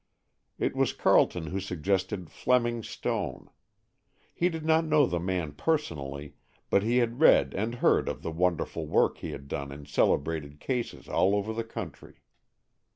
It was Carleton who suggested Fleming Stone. He did not know the man personally, but he had read and heard of the wonderful work he had done in celebrated cases all over the country.